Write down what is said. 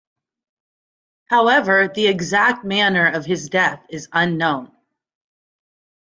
However, the exact manner of his death is unknown.